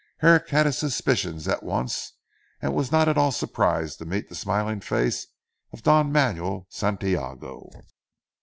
Herrick had his suspicions at once, and was not at all surprised to meet the smiling face of Don Manuel Santiago.